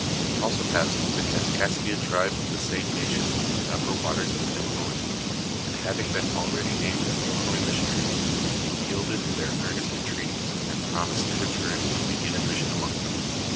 He also passed the Kaskaskia tribe of the same nation on the upper watere of the Ilinois, and having been already named an Ilinois missionary, he yielded to their earnest entreaties, and promised to return and begin a mis sion among them.